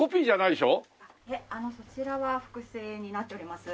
いえそちらは複製になっております。